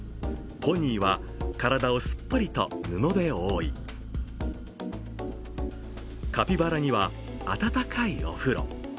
ポニーは体をすっぽりと布で覆い、カピバラには暖かいお風呂。